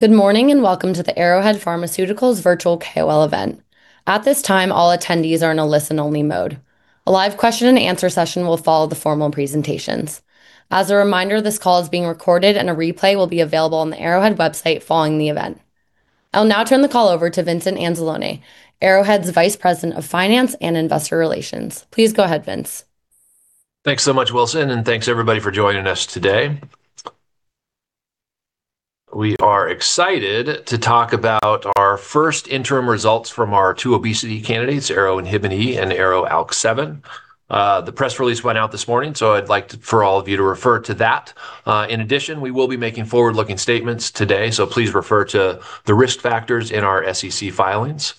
Good morning and welcome to the Arrowhead Pharmaceuticals virtual KOL event. At this time, all attendees are in a listen-only mode. A live question and answer session will follow the formal presentations. As a reminder, this call is being recorded, and a replay will be available on the Arrowhead website following the event. I'll now turn the call over to Vincent Anzalone, Arrowhead's Vice President of Finance and Investor Relations. Please go ahead, Vince. Thanks so much, Wilson, and thanks everybody for joining us today. We are excited to talk about our first interim results from our two obesity candidates, ARO-INHBE and ARO-ALK7. The press release went out this morning, so I'd like for all of you to refer to that. In addition, we will be making forward-looking statements today, so please refer to the risk factors in our SEC filings.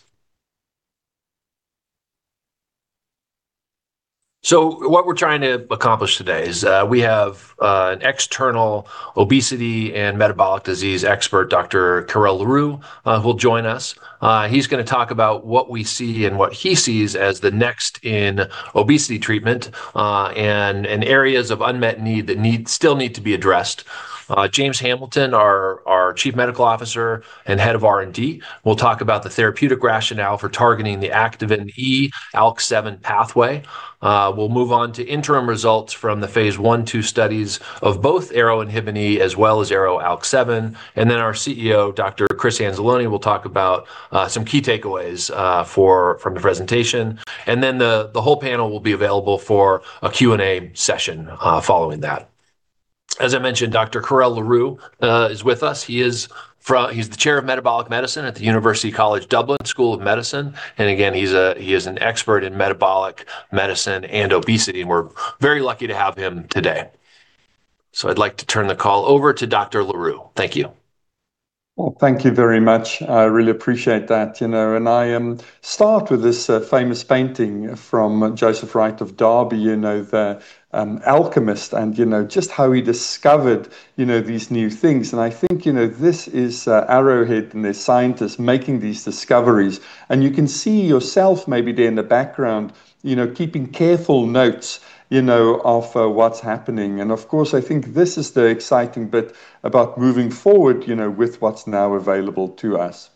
So what we're trying to accomplish today is we have an external obesity and metabolic disease expert, Dr. Carel le Roux, who will join us. He's going to talk about what we see and what he sees as the next in obesity treatment and areas of unmet need that still need to be addressed. James Hamilton, our Chief Medical Officer and Head of R&D, will talk about the therapeutic rationale for targeting the Activin E/ALK7 pathway. We'll move on to interim results from the phase I and II studies of both ARO-INHBE as well as ARO-ALK7. And then our CEO, Dr. Chris Anzalone, will talk about some key takeaways from the presentation. And then the whole panel will be available for a Q&A session following that. As I mentioned, Dr. Carel le Roux is with us. He's the Chair of Metabolic Medicine at the University College Dublin School of Medicine. And again, he's an expert in metabolic medicine and obesity, and we're very lucky to have him today. So I'd like to turn the call over to Dr. le Roux. Thank you. Well, thank you very much. I really appreciate that. And I start with this famous painting from Joseph Wright of Derby, the alchemist, and just how he discovered these new things. And I think this is Arrowhead and the scientists making these discoveries. And you can see yourself maybe there in the background, keeping careful notes of what's happening. And of course, I think this is the exciting bit about moving forward with what's now available to us.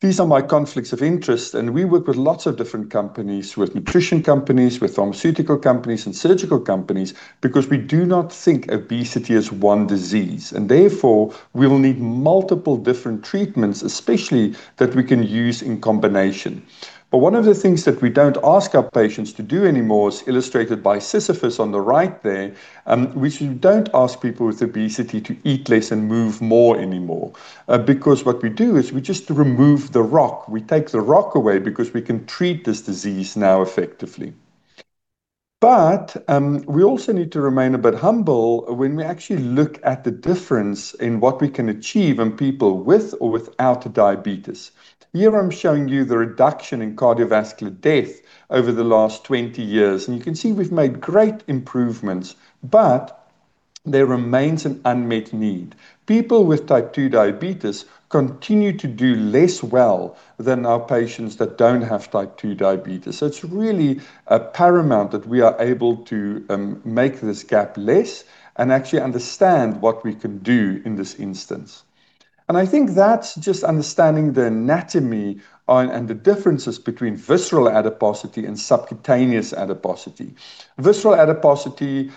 These are my conflicts of interest. And we work with lots of different companies, with nutrition companies, with pharmaceutical companies, and surgical companies, because we do not think obesity is one disease. And therefore, we'll need multiple different treatments, especially that we can use in combination. But one of the things that we don't ask our patients to do anymore is illustrated by Sisyphus on the right there, which we don't ask people with obesity to eat less and move more anymore. Because what we do is we just remove the rock. We take the rock away because we can treat this disease now effectively, but we also need to remain a bit humble when we actually look at the difference in what we can achieve in people with or without diabetes. Here I'm showing you the reduction in cardiovascular death over the last 20 years, and you can see we've made great improvements, but there remains an unmet need. People with Type 2 diabetes continue to do less well than our patients that don't have Type 2 diabetes. It's really paramount that we are able to make this gap less and actually understand what we can do in this instance, and I think that's just understanding the anatomy and the differences between visceral adiposity and subcutaneous adiposity. Visceral adiposity,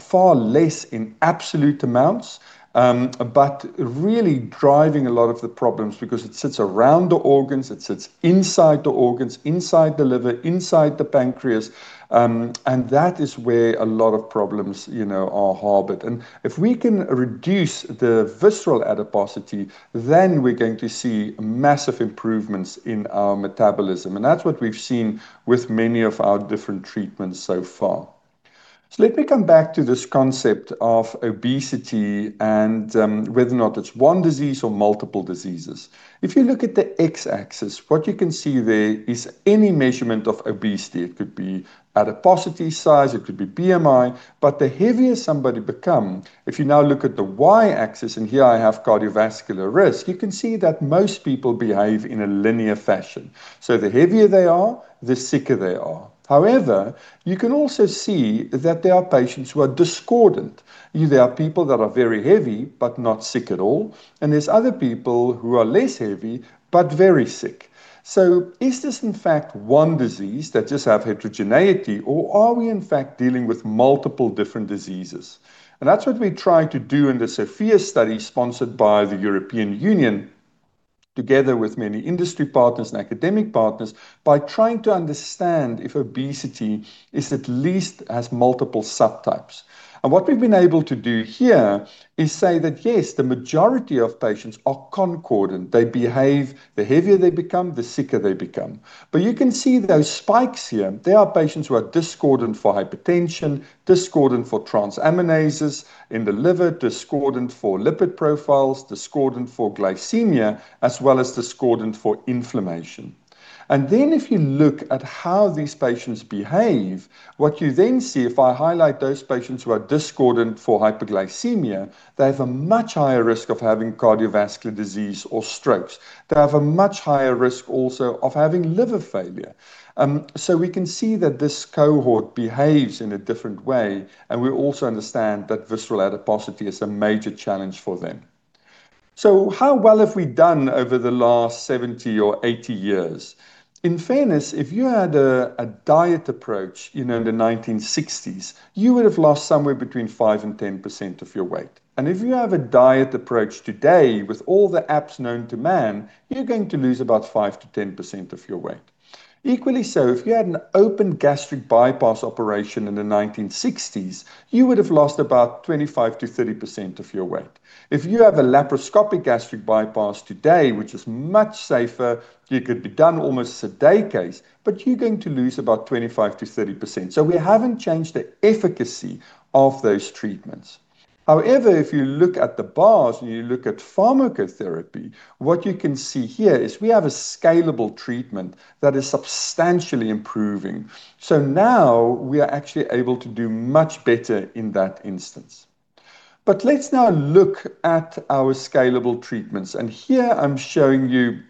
far less in absolute amounts, but really driving a lot of the problems because it sits around the organs, it sits inside the organs, inside the liver, inside the pancreas, and that is where a lot of problems are harbored, and if we can reduce the visceral adiposity, then we're going to see massive improvements in our metabolism, and that's what we've seen with many of our different treatments so far, so let me come back to this concept of obesity and whether or not it's one disease or multiple diseases. If you look at the X-axis, what you can see there is any measurement of obesity. It could be adiposity size. It could be BMI. But the heavier somebody becomes, if you now look at the Y-axis, and here I have cardiovascular risk, you can see that most people behave in a linear fashion. So the heavier they are, the sicker they are. However, you can also see that there are patients who are discordant. There are people that are very heavy but not sick at all. And there's other people who are less heavy but very sick. So is this in fact one disease that just has heterogeneity, or are we in fact dealing with multiple different diseases? And that's what we try to do in the SOPHIA study sponsored by the European Union, together with many industry partners and academic partners, by trying to understand if obesity at least has multiple subtypes. And what we've been able to do here is say that, yes, the majority of patients are concordant. They behave the heavier they become, the sicker they become. But you can see those spikes here. There are patients who are discordant for hypertension, discordant for transaminases in the liver, discordant for lipid profiles, discordant for glycemia, as well as discordant for inflammation. And then if you look at how these patients behave, what you then see, if I highlight those patients who are discordant for hyperglycemia, they have a much higher risk of having cardiovascular disease or strokes. They have a much higher risk also of having liver failure. So we can see that this cohort behaves in a different way. And we also understand that visceral adiposity is a major challenge for them. So how well have we done over the last 70 or 80 years? In fairness, if you had a diet approach in the 1960s, you would have lost somewhere between 5% and 10% of your weight. And if you have a diet approach today, with all the apps known to man, you're going to lose about 5%-10% of your weight. Equally so, if you had an open gastric bypass operation in the 1960s, you would have lost about 25%-30% of your weight. If you have a laparoscopic gastric bypass today, which is much safer, you could be done almost a decade, but you're going to lose about 25%-30%. So we haven't changed the efficacy of those treatments. However, if you look at the bars and you look at pharmacotherapy, what you can see here is we have a scalable treatment that is substantially improving. So now we are actually able to do much better in that instance. Let's now look at our scalable treatments. Here I'm showing you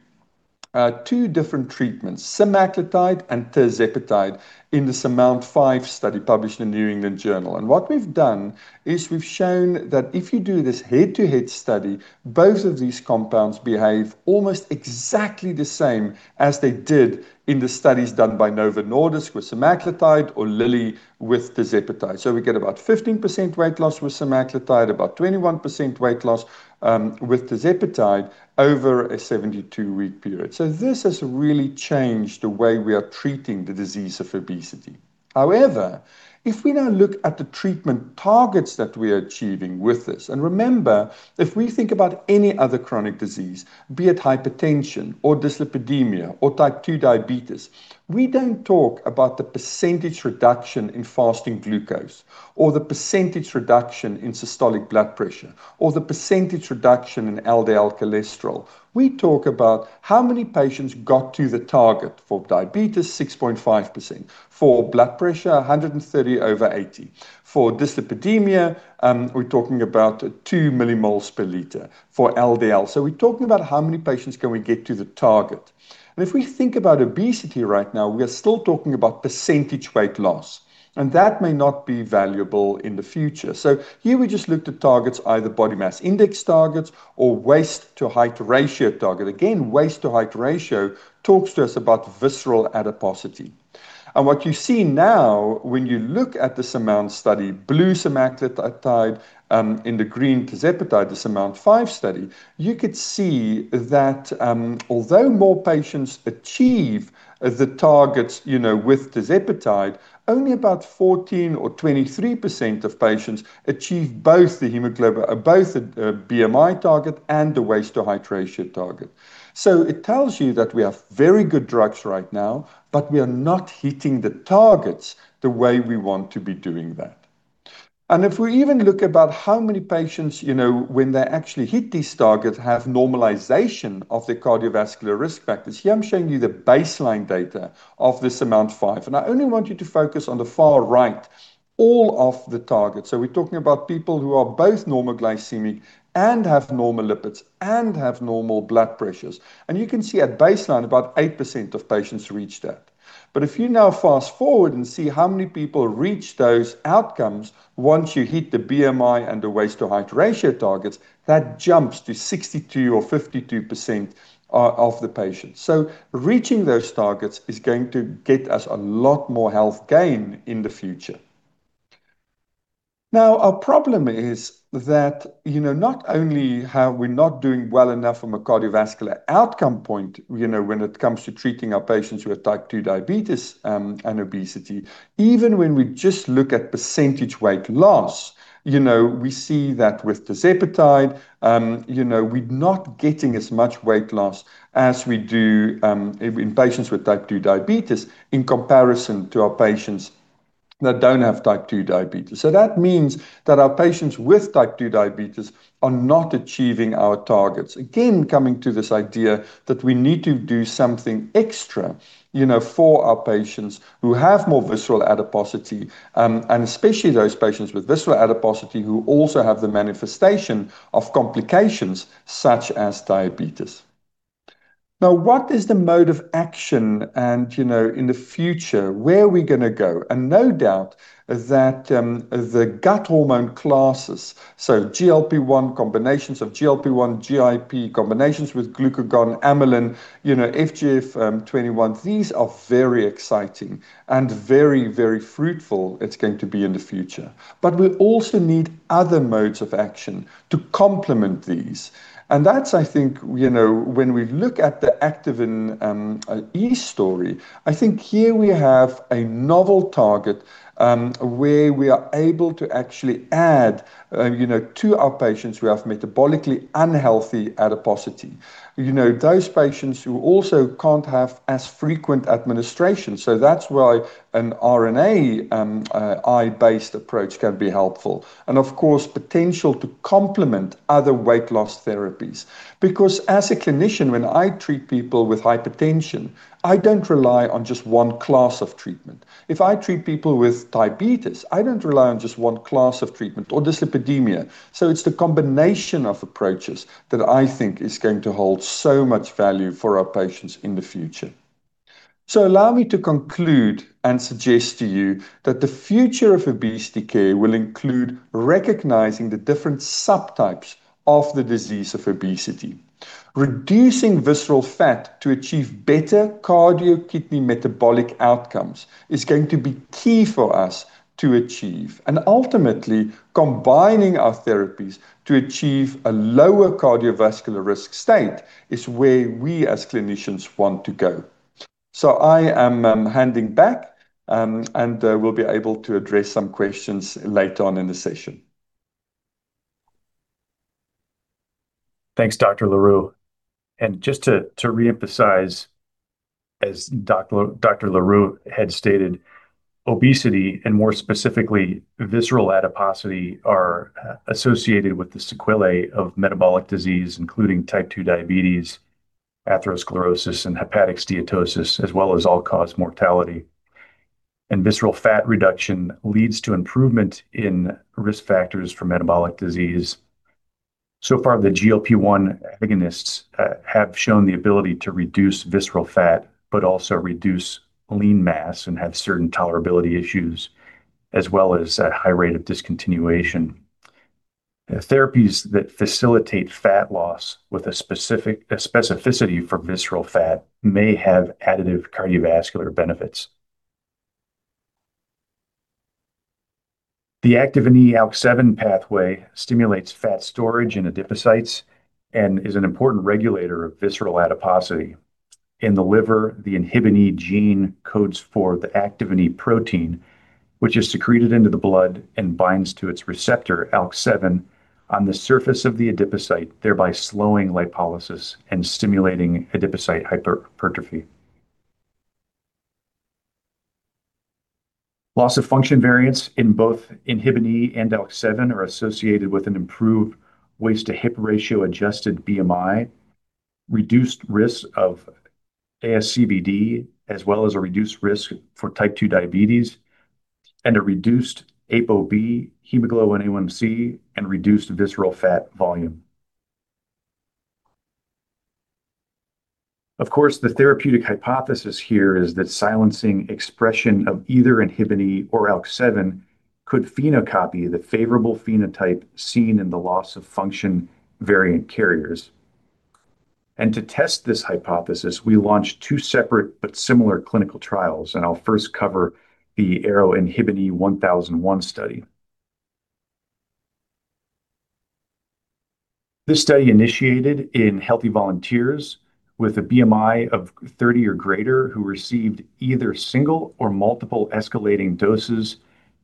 two different treatments, semaglutide and tirzepatide, in this SURMOUNT-5 study published in the New England Journal. What we've done is we've shown that if you do this head-to-head study, both of these compounds behave almost exactly the same as they did in the studies done by Novo Nordisk with semaglutide or Lilly with tirzepatide. We get about 15% weight loss with semaglutide, about 21% weight loss with tirzepatide over a 72-week period. This has really changed the way we are treating the disease of obesity. However, if we now look at the treatment targets that we are achieving with this, and remember, if we think about any other chronic disease, be it hypertension or dyslipidemia or Type 2 diabetes, we don't talk about the percentage reduction in fasting glucose or the percentage reduction in systolic blood pressure or the percentage reduction in LDL cholesterol. We talk about how many patients got to the target for diabetes, 6.5%. For blood pressure, 130 over 80. For dyslipidemia, we're talking about 2 millimoles per liter for LDL. So we're talking about how many patients can we get to the target. And if we think about obesity right now, we are still talking about percentage weight loss. And that may not be valuable in the future. So here we just looked at targets, either body mass index targets or waist-to-height ratio target. Again, waist-to-height ratio talks to us about visceral adiposity. And what you see now, when you look at this SURMOUNT study, blue semaglutide, in the green tirzepatide, this SURMOUNT-5 study, you could see that although more patients achieve the targets with tirzepatide, only about 14% or 23% of patients achieve both the BMI target and the waist-to-height ratio target. So it tells you that we have very good drugs right now, but we are not hitting the targets the way we want to be doing that. And if we even look about how many patients, when they actually hit these targets, have normalization of their cardiovascular risk factors, here I'm showing you the baseline data of this SURMOUNT-5. And I only want you to focus on the far right, all of the targets. So we're talking about people who are both normoglycemic and have normal lipids and have normal blood pressures. And you can see at baseline, about 8% of patients reach that. But if you now fast forward and see how many people reach those outcomes once you hit the BMI and the waist-to-height ratio targets, that jumps to 62% or 52% of the patients. So reaching those targets is going to get us a lot more health gain in the future. Now, our problem is that not only are we not doing well enough from a cardiovascular outcome point when it comes to treating our patients who have type 2 diabetes and obesity, even when we just look at percentage weight loss, we see that with tirzepatide, we're not getting as much weight loss as we do in patients with type 2 diabetes in comparison to our patients that don't have type 2 diabetes. So that means that our patients with type 2 diabetes are not achieving our targets. Again, coming to this idea that we need to do something extra for our patients who have more visceral adiposity, and especially those patients with visceral adiposity who also have the manifestation of complications such as diabetes. Now, what is the mode of action in the future? Where are we going to go? No doubt that the gut hormone classes, so GLP-1 combinations of GLP-1, GIP combinations with glucagon, amylin, FGF21, these are very exciting and very, very fruitful. It's going to be in the future. We also need other modes of action to complement these. That's, I think, when we look at the activin E story, I think here we have a novel target where we are able to actually add to our patients who have metabolically unhealthy adiposity, those patients who also can't have as frequent administration. That's why an RNAi-based approach can be helpful. Of course, potential to complement other weight loss therapies. Because as a clinician, when I treat people with hypertension, I don't rely on just one class of treatment. If I treat people with diabetes, I don't rely on just one class of treatment or dyslipidemia. It's the combination of approaches that I think is going to hold so much value for our patients in the future. Allow me to conclude and suggest to you that the future of obesity care will include recognizing the different subtypes of the disease of obesity. Reducing visceral fat to achieve better cardio-kidney metabolic outcomes is going to be key for us to achieve. Ultimately, combining our therapies to achieve a lower cardiovascular risk state is where we, as clinicians, want to go. I am handing back, and we'll be able to address some questions later on in the session. Thanks, Dr. le Roux. Just to reemphasize, as Dr. le Roux had stated, obesity, and more specifically, visceral adiposity, are associated with the sequelae of metabolic disease, including type 2 diabetes, atherosclerosis, and hepatic steatosis, as well as all-cause mortality. And visceral fat reduction leads to improvement in risk factors for metabolic disease. So far, the GLP-1 agonists have shown the ability to reduce visceral fat, but also reduce lean mass and have certain tolerability issues, as well as a high rate of discontinuation. Therapies that facilitate fat loss with a specificity for visceral fat may have additive cardiovascular benefits. The Activin E/ALK7 pathway stimulates fat storage in adipocytes and is an important regulator of visceral adiposity. In the liver, the Inhibin E gene codes for the activin E protein, which is secreted into the blood and binds to its receptor, ALK7, on the surface of the adipocyte, thereby slowing lipolysis and stimulating adipocyte hypertrophy. Loss of function variants in both Inhibin E and ALK7 are associated with an improved waist-to-hip ratio adjusted BMI, reduced risk of ASCVD, as well as a reduced risk for type 2 diabetes, and a reduced ApoB, hemoglobin A1c, and reduced visceral fat volume. Of course, the therapeutic hypothesis here is that silencing expression of either Inhibin E or ALK7 could phenocopy the favorable phenotype seen in the loss of function variant carriers. And to test this hypothesis, we launched two separate but similar clinical trials. And I'll first cover the ARO-INHBE 1001 study. This study initiated in healthy volunteers with a BMI of 30 or greater who received either single or multiple escalating doses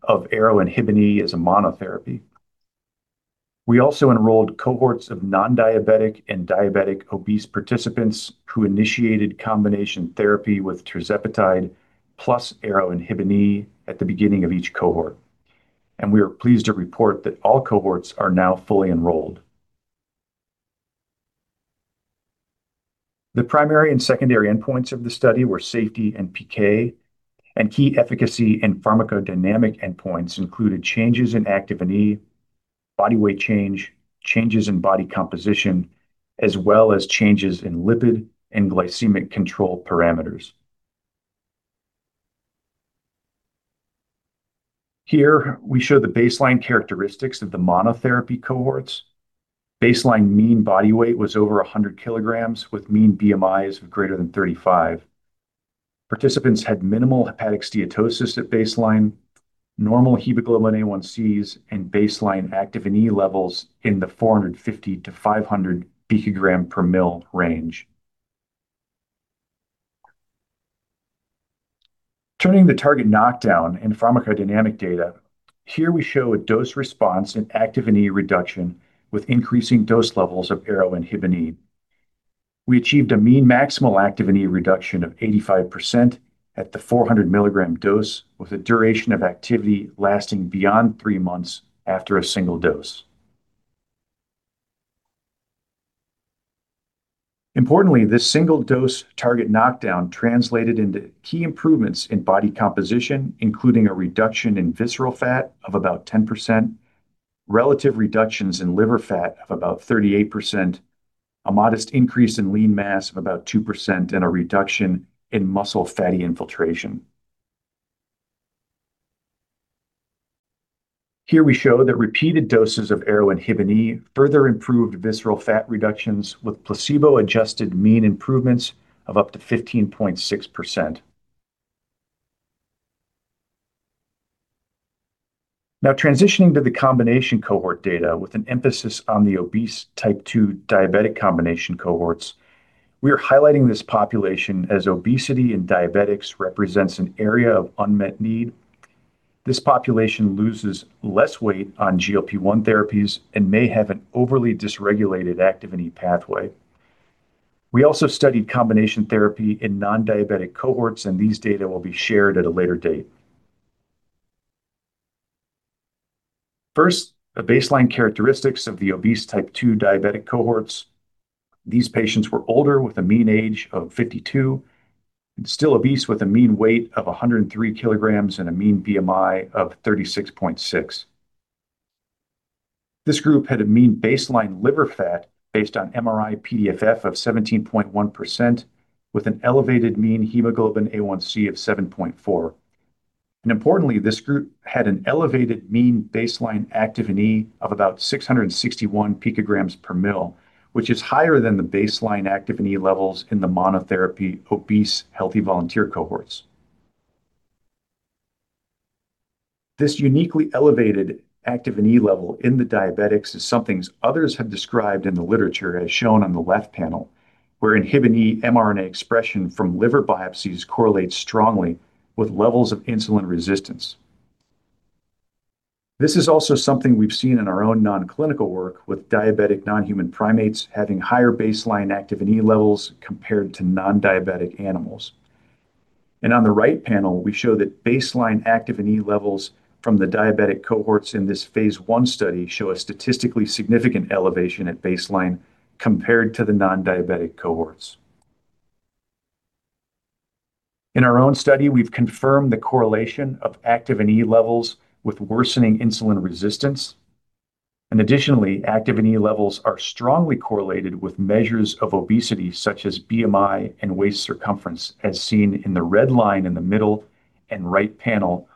of ARO-INHBE as a monotherapy. We also enrolled cohorts of non-diabetic and diabetic obese participants who initiated combination therapy with tirzepatide plus ARO-INHBE at the beginning of each cohort. We are pleased to report that all cohorts are now fully enrolled. The primary and secondary endpoints of the study were safety and PK, and key efficacy and pharmacodynamic endpoints included changes in activin E, body weight change, changes in body composition, as well as changes in lipid and glycemic control parameters. Here, we show the baseline characteristics of the monotherapy cohorts. Baseline mean body weight was over 100 kilograms with mean BMIs of greater than 35. Participants had minimal hepatic steatosis at baseline, normal hemoglobin A1cs, and baseline activin E levels in the 450 to 500 pg/ml range. Turning to the target knockdown and pharmacodynamic data, here we show a dose response in activin E reduction with increasing dose levels of ARO-INHBE. We achieved a mean maximal activin E reduction of 85% at the 400 milligram dose, with a duration of activity lasting beyond three months after a single dose. Importantly, this single dose target knockdown translated into key improvements in body composition, including a reduction in visceral fat of about 10%, relative reductions in liver fat of about 38%, a modest increase in lean mass of about 2%, and a reduction in muscle fatty infiltration. Here we show that repeated doses of ARO-INHBE further improved visceral fat reductions with placebo-adjusted mean improvements of up to 15.6%. Now, transitioning to the combination cohort data with an emphasis on the obese type 2 diabetic combination cohorts, we are highlighting this population as obesity in diabetics represents an area of unmet need. This population loses less weight on GLP-1 therapies and may have an overly dysregulated activin E pathway. We also studied combination therapy in non-diabetic cohorts, and these data will be shared at a later date. First, the baseline characteristics of the obese type 2 diabetic cohorts. These patients were older with a mean age of 52, still obese with a mean weight of 103 kilograms and a mean BMI of 36.6. This group had a mean baseline liver fat based on MRI PDFF of 17.1%, with an elevated mean hemoglobin A1c of 7.4. And importantly, this group had an elevated mean baseline activin E of about 661 pg/ml, which is higher than the baseline activin E levels in the monotherapy obese healthy volunteer cohorts. This uniquely elevated activin E level in the diabetics is something others have described in the literature, as shown on the left panel, where Inhibin E mRNA expression from liver biopsies correlates strongly with levels of insulin resistance. This is also something we've seen in our own nonclinical work, with diabetic non-human primates having higher baseline activin E levels compared to non-diabetic animals, and on the right panel, we show that baseline activin E levels from the diabetic cohorts in this phase I study show a statistically significant elevation at baseline compared to the non-diabetic cohorts. In our own study, we've confirmed the correlation of activin E levels with worsening insulin resistance, and additionally, activin E levels are strongly correlated with measures of obesity, such as BMI and waist circumference, as seen in the red line in the middle and right panel,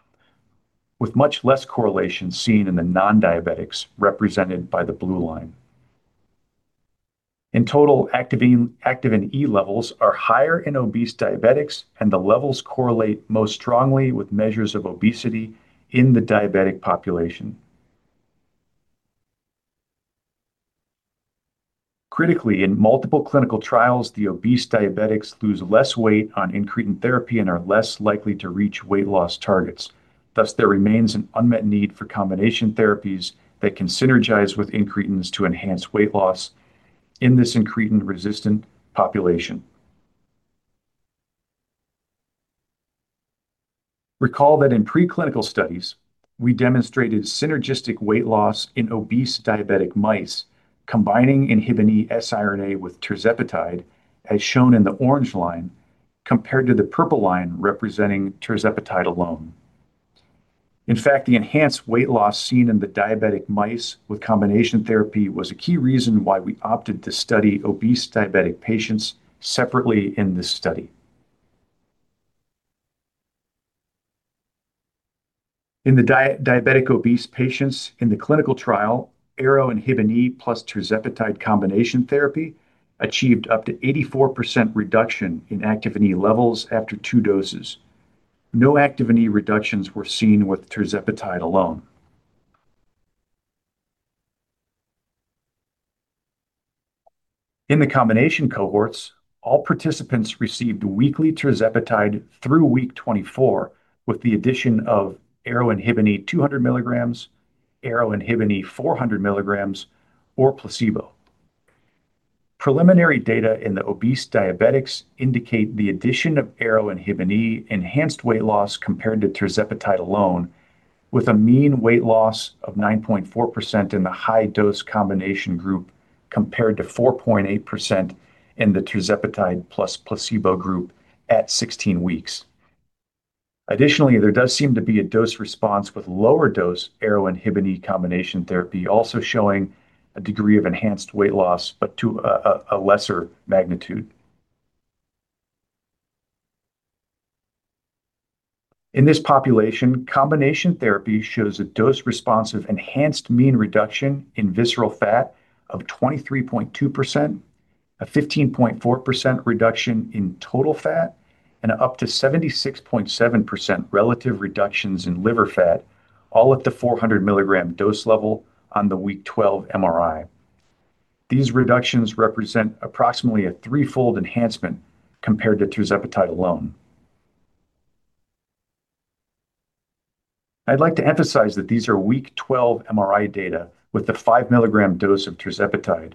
with much less correlation seen in the non-diabetics represented by the blue line. In total, activin E levels are higher in obese diabetics, and the levels correlate most strongly with measures of obesity in the diabetic population. Critically, in multiple clinical trials, the obese diabetics lose less weight on incretin therapy and are less likely to reach weight loss targets. Thus, there remains an unmet need for combination therapies that can synergize with incretins to enhance weight loss in this incretin-resistant population. Recall that in preclinical studies, we demonstrated synergistic weight loss in obese diabetic mice combining Inhibin E siRNA with tirzepatide, as shown in the orange line, compared to the purple line representing tirzepatide alone. In fact, the enhanced weight loss seen in the diabetic mice with combination therapy was a key reason why we opted to study obese diabetic patients separately in this study. In the diabetic obese patients, in the clinical trial, ARO-INHBE plus tirzepatide combination therapy achieved up to 84% reduction in activin E levels after two doses. No activin E reductions were seen with tirzepatide alone. In the combination cohorts, all participants received weekly tirzepatide through week 24 with the addition of ARO-INHBE 200 milligrams, ARO-INHBE 400 milligrams, or placebo. Preliminary data in the obese diabetics indicate the addition of ARO-INHBE enhanced weight loss compared to tirzepatide alone, with a mean weight loss of 9.4% in the high-dose combination group compared to 4.8% in the tirzepatide plus placebo group at 16 weeks. Additionally, there does seem to be a dose response with lower-dose ARO-INHBE combination therapy also showing a degree of enhanced weight loss, but to a lesser magnitude. In this population, combination therapy shows a dose-responsive enhanced mean reduction in visceral fat of 23.2%, a 15.4% reduction in total fat, and up to 76.7% relative reductions in liver fat, all at the 400 milligram dose level on the week 12 MRI. These reductions represent approximately a threefold enhancement compared to tirzepatide alone. I'd like to emphasize that these are week 12 MRI data with the 5 milligram dose of tirzepatide,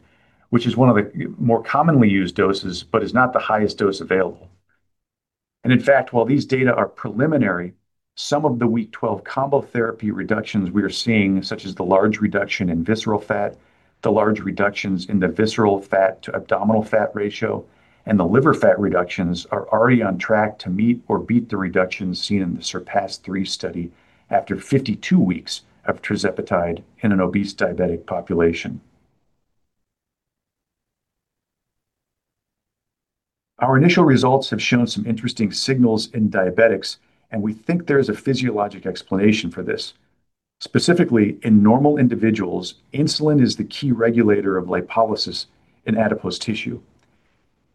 which is one of the more commonly used doses, but is not the highest dose available. In fact, while these data are preliminary, some of the week 12 combo therapy reductions we are seeing, such as the large reduction in visceral fat, the large reductions in the visceral fat to abdominal fat ratio, and the liver fat reductions are already on track to meet or beat the reductions seen in the SURPASS-3 study after 52 weeks of tirzepatide in an obese diabetic population. Our initial results have shown some interesting signals in diabetics, and we think there is a physiologic explanation for this. Specifically, in normal individuals, insulin is the key regulator of lipolysis in adipose tissue.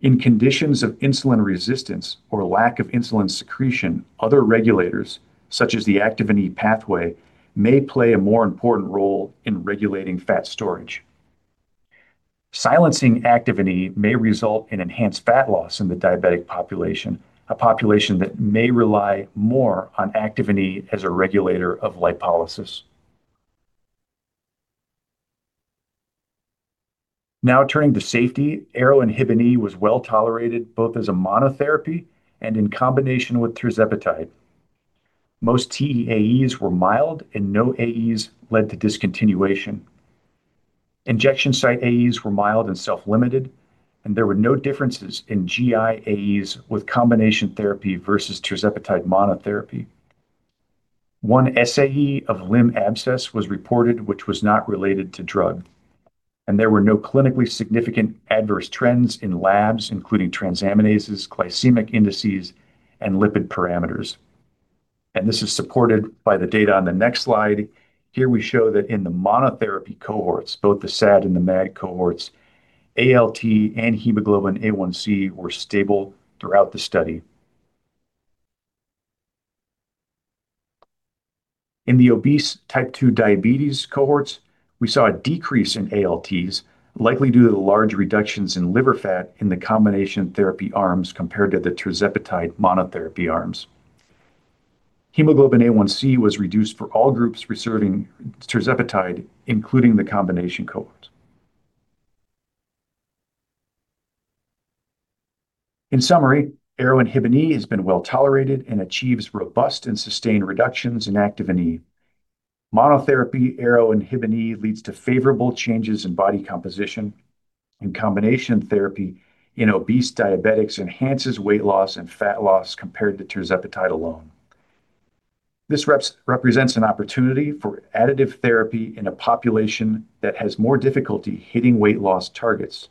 In conditions of insulin resistance or lack of insulin secretion, other regulators, such as the activin E pathway, may play a more important role in regulating fat storage. Silencing activin E may result in enhanced fat loss in the diabetic population, a population that may rely more on activin E as a regulator of lipolysis. Now, turning to safety, ARO-INHBE was well tolerated both as a monotherapy and in combination with tirzepatide. Most TEAEs were mild, and no AEs led to discontinuation. Injection site AEs were mild and self-limited, and there were no differences in GI AEs with combination therapy versus tirzepatide monotherapy. One SAE of limb abscess was reported, which was not related to drug. And there were no clinically significant adverse trends in labs, including transaminases, glycemic indices, and lipid parameters. And this is supported by the data on the next slide. Here we show that in the monotherapy cohorts, both the SAD and the MAD cohorts, ALT and hemoglobin A1c were stable throughout the study. In the obese type 2 diabetes cohorts, we saw a decrease in ALTs, likely due to the large reductions in liver fat in the combination therapy arms compared to the tirzepatide monotherapy arms. Hemoglobin A1c was reduced for all groups receiving tirzepatide, including the combination cohorts. In summary, ARO-INHBE has been well tolerated and achieves robust and sustained reductions in activin E. Monotherapy ARO-INHBE leads to favorable changes in body composition, and combination therapy in obese diabetics enhances weight loss and fat loss compared to tirzepatide alone. This represents an opportunity for additive therapy in a population that has more difficulty hitting weight loss targets.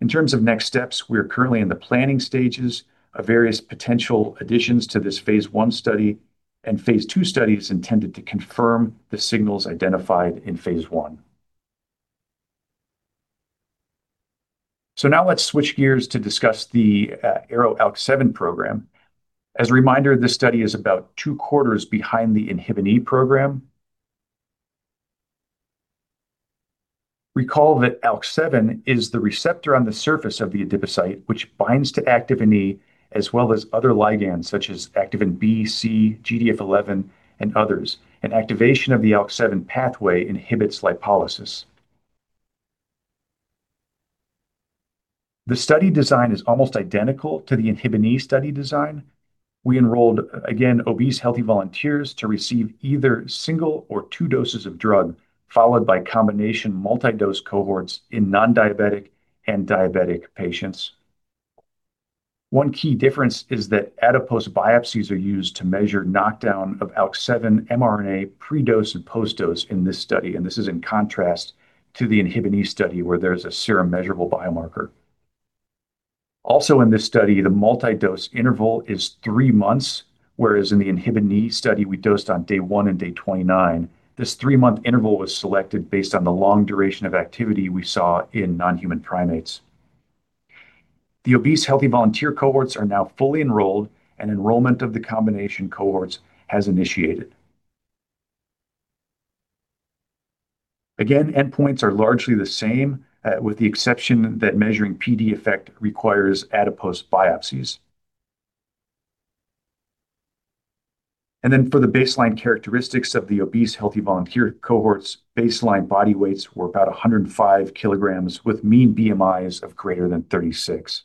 In terms of next steps, we are currently in the planning stages of various potential additions to this phase I study and phase II studies intended to confirm the signals identified in phase I, so now let's switch gears to discuss the ARO-ALK7 program. As a reminder, this study is about two quarters behind the Inhibin E program. Recall that ALK7 is the receptor on the surface of the adipocyte, which binds to activin E as well as other ligands such as activin B, C, GDF11, and others, and activation of the ALK7 pathway inhibits lipolysis. The study design is almost identical to the Inhibin E study design. We enrolled, again, obese healthy volunteers to receive either single or two doses of drug, followed by combination multi-dose cohorts in non-diabetic and diabetic patients. One key difference is that adipose biopsies are used to measure knockdown of ALK7 mRNA pre-dose and post-dose in this study. And this is in contrast to the Inhibin E study where there's a serum measurable biomarker. Also, in this study, the multi-dose interval is three months, whereas in the Inhibin E study we dosed on day one and day 29. This three-month interval was selected based on the long duration of activity we saw in non-human primates. The obese healthy volunteer cohorts are now fully enrolled, and enrollment of the combination cohorts has initiated. Again, endpoints are largely the same, with the exception that measuring PD effect requires adipose biopsies. And then for the baseline characteristics of the obese healthy volunteer cohorts, baseline body weights were about 105 kilograms with mean BMIs of greater than 36.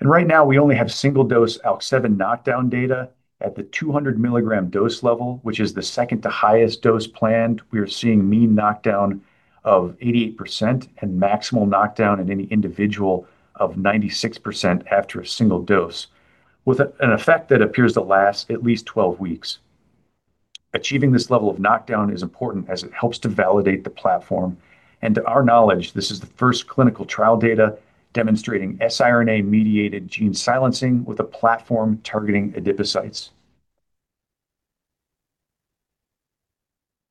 And right now, we only have single-dose ALK7 knockdown data. At the 200 milligram dose level, which is the second to highest dose planned, we are seeing mean knockdown of 88% and maximal knockdown in any individual of 96% after a single dose, with an effect that appears to last at least 12 weeks. Achieving this level of knockdown is important as it helps to validate the platform, and to our knowledge, this is the first clinical trial data demonstrating siRNA-mediated gene silencing with a platform targeting adipocytes.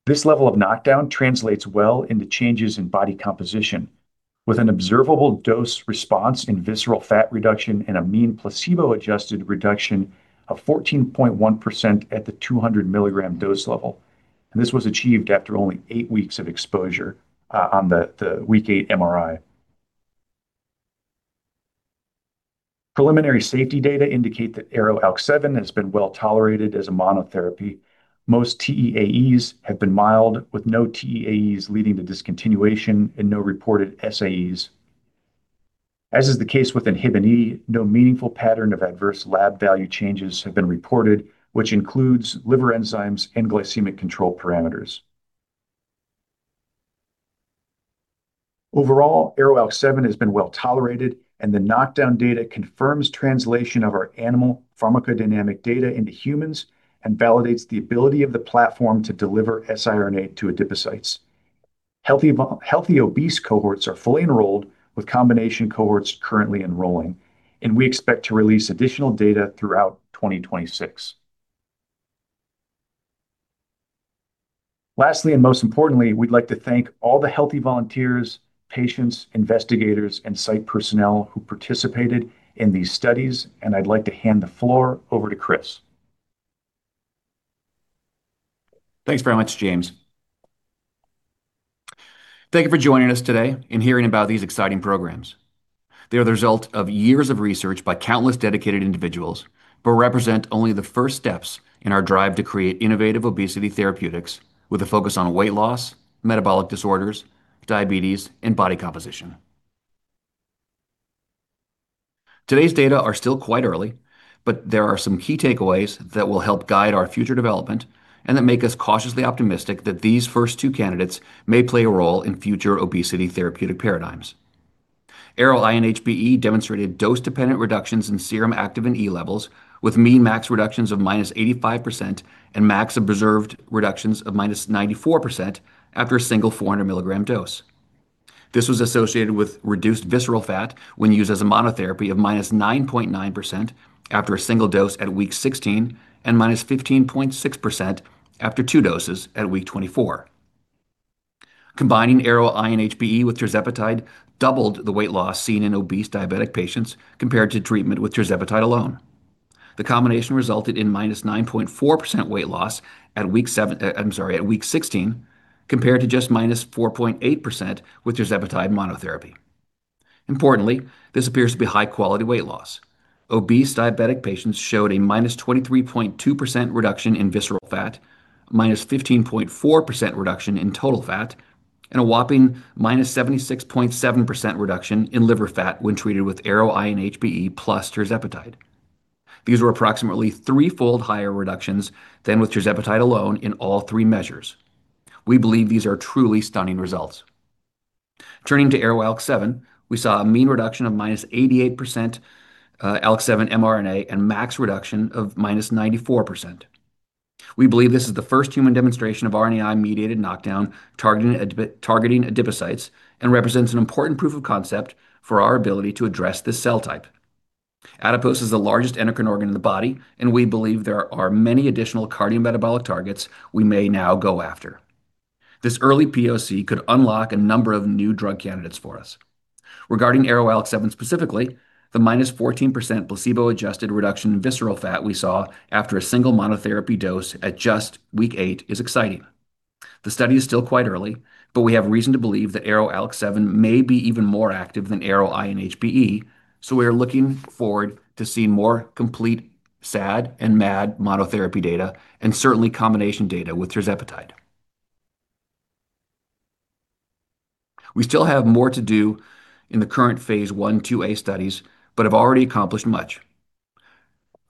This level of knockdown translates well into changes in body composition, with an observable dose response in visceral fat reduction and a mean placebo-adjusted reduction of 14.1% at the 200 milligram dose level, and this was achieved after only eight weeks of exposure on the week eight MRI. Preliminary safety data indicate that ARO-ALK7 has been well tolerated as a monotherapy. Most TEAEs have been mild, with no TEAEs leading to discontinuation and no reported SAEs. As is the case with Inhibin E, no meaningful pattern of adverse lab value changes have been reported, which includes liver enzymes and glycemic control parameters. Overall, ARO-ALK7 has been well tolerated, and the knockdown data confirms translation of our animal pharmacodynamic data into humans and validates the ability of the platform to deliver siRNA to adipocytes. Healthy obese cohorts are fully enrolled, with combination cohorts currently enrolling, and we expect to release additional data throughout 2026. Lastly, and most importantly, we'd like to thank all the healthy volunteers, patients, investigators, and site personnel who participated in these studies, and I'd like to hand the floor over to Chris. Thanks very much, James. Thank you for joining us today and hearing about these exciting programs. They are the result of years of research by countless dedicated individuals, but represent only the first steps in our drive to create innovative obesity therapeutics with a focus on weight loss, metabolic disorders, diabetes, and body composition. Today's data are still quite early, but there are some key takeaways that will help guide our future development and that make us cautiously optimistic that these first two candidates may play a role in future obesity therapeutic paradigms. ARO-INHBE demonstrated dose-dependent reductions in serum activin E levels, with mean max reductions of -85% and max observed reductions of -94% after a single 400 mg dose. This was associated with reduced visceral fat when used as a monotherapy of -9.9% after a single dose at week 16 and -15.6% after two doses at week 24. Combining ARO-INHBE with tirzepatide doubled the weight loss seen in obese diabetic patients compared to treatment with tirzepatide alone. The combination resulted in minus 9.4% weight loss at week 16 compared to just minus 4.8% with tirzepatide monotherapy. Importantly, this appears to be high-quality weight loss. Obese diabetic patients showed a minus 23.2% reduction in visceral fat, minus 15.4% reduction in total fat, and a whopping minus 76.7% reduction in liver fat when treated with ARO-INHBE plus tirzepatide. These were approximately threefold higher reductions than with tirzepatide alone in all three measures. We believe these are truly stunning results. Turning to ARO-ALK7, we saw a mean reduction of minus 88% ALK7 mRNA and max reduction of minus 94%. We believe this is the first human demonstration of RNAi-mediated knockdown targeting adipocytes and represents an important proof of concept for our ability to address this cell type. Adipose is the largest endocrine organ in the body, and we believe there are many additional cardiometabolic targets we may now go after. This early POC could unlock a number of new drug candidates for us. Regarding ARO-ALK7 specifically, the minus 14% placebo-adjusted reduction in visceral fat we saw after a single monotherapy dose at just week eight is exciting. The study is still quite early, but we have reason to believe that ARO-ALK7 may be even more active than ARO-INHBE, so we are looking forward to seeing more complete SAD and MAD monotherapy data and certainly combination data with tirzepatide. We still have more to do in the current phase I/II A studies, but have already accomplished much.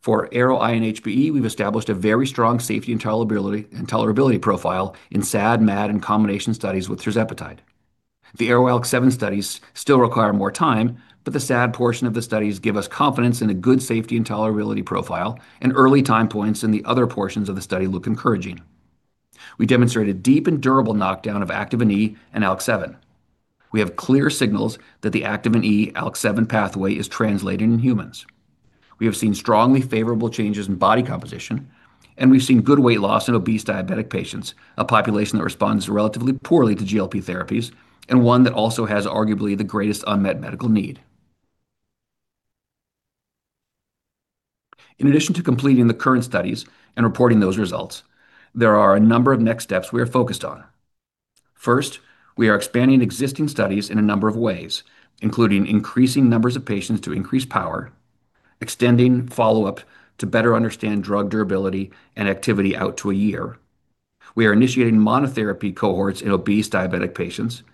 For ARO-INHBE, we've established a very strong safety and tolerability profile in SAD, MAD, and combination studies with tirzepatide. The ARO-ALK7 studies still require more time, but the SAD portion of the studies gives us confidence in a good safety and tolerability profile, and early time points in the other portions of the study look encouraging. We demonstrated deep and durable knockdown of activin E and ALK7. We have clear signals that the Activin E/ALK7 pathway is translating in humans. We have seen strongly favorable changes in body composition, and we've seen good weight loss in obese diabetic patients, a population that responds relatively poorly to GLP therapies, and one that also has arguably the greatest unmet medical need. In addition to completing the current studies and reporting those results, there are a number of next steps we are focused on. First, we are expanding existing studies in a number of ways, including increasing numbers of patients to increase power, extending follow-up to better understand drug durability and activity out to a year. We are initiating monotherapy cohorts in obese diabetic patients,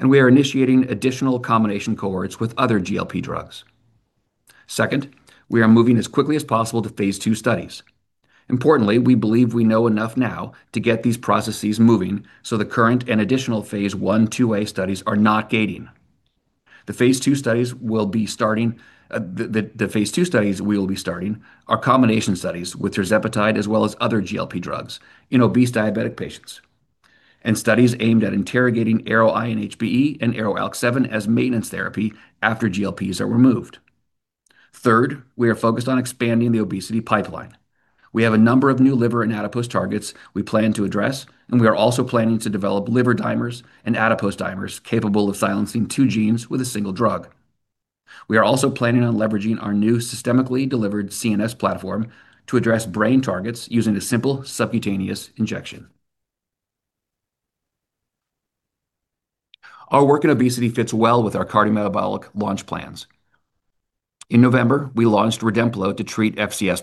and we are initiating additional combination cohorts with other GLP drugs. Second, we are moving as quickly as possible to phase II studies. Importantly, we believe we know enough now to get these processes moving so the current and additional phase I two A studies are not gating the phase II studies will be starting. The phase II studies we will be starting are combination studies with tirzepatide as well as other GLP drugs in obese diabetic patients, and studies aimed at interrogating ARO-INHBE and ARO-ALK7 as maintenance therapy after GLPs are removed. Third, we are focused on expanding the obesity pipeline. We have a number of new liver and adipose targets we plan to address, and we are also planning to develop liver dimers and adipose dimers capable of silencing two genes with a single drug. We are also planning on leveraging our new systemically delivered CNS platform to address brain targets using a simple subcutaneous injection. Our work in obesity fits well with our cardiometabolic launch plans. In November, we launched plozasiran to treat FCS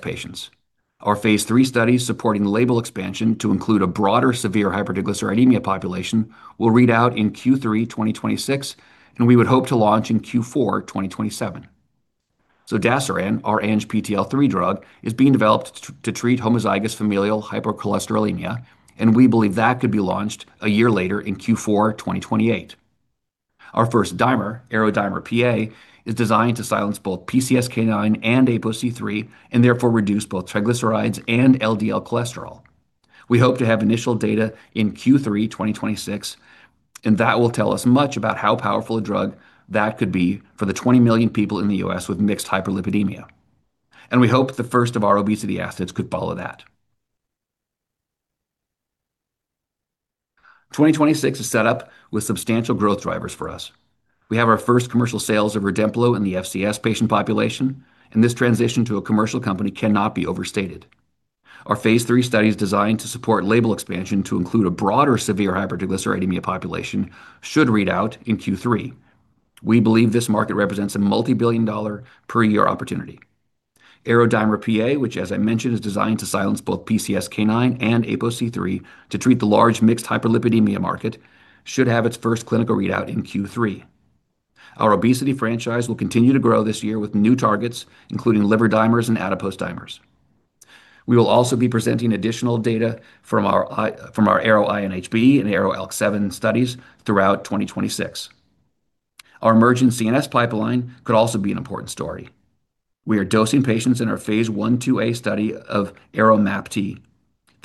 patients. Our phase III studies supporting label expansion to include a broader severe hypertriglyceridemia population will read out in Q3 2026, and we would hope to launch in Q4 2027. Zodasiran, our ANGPTL3 drug, is being developed to treat homozygous familial hypercholesterolemia, and we believe that could be launched a year later in Q4 2028. Our first dimer, ARO-DIMER-PA, is designed to silence both PCSK9 and ApoC3 and therefore reduce both triglycerides and LDL cholesterol. We hope to have initial data in Q3 2026, and that will tell us much about how powerful a drug that could be for the 20 million people in the U.S. with mixed hyperlipidemia. And we hope the first of our obesity assets could follow that. 2026 is set up with substantial growth drivers for us. We have our first commercial sales of REDEMPLO in the FCS patient population, and this transition to a commercial company cannot be overstated. Our phase III studies designed to support label expansion to include a broader severe hypertriglyceridemia population should read out in Q3. We believe this market represents a multi-billion-dollar per year opportunity. ARO-DIMER-PA, which, as I mentioned, is designed to silence both PCSK9 and ApoC3 to treat the large mixed hyperlipidemia market, should have its first clinical readout in Q3. Our obesity franchise will continue to grow this year with new targets, including liver dimers and adipose dimers. We will also be presenting additional data from our ARO-INHBE and ARO-ALK7 studies throughout 2026. Our emerging CNS pipeline could also be an important story. We are dosing patients in our phase I/II A study of ARO-MAPT.